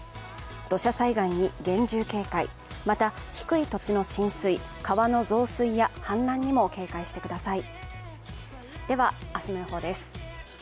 土砂災害に厳重警戒、また、低い土地に浸水、川の増水や氾濫にも警戒してください。